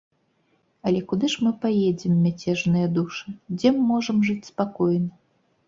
Але куды ж мы паедзем, мяцежныя душы, дзе можам жыць спакойна?